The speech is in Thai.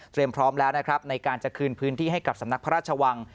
พร้อมแล้วนะครับในการจะคืนพื้นที่ให้กับสำนักพระราชวัง